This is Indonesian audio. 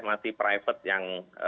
masih private yang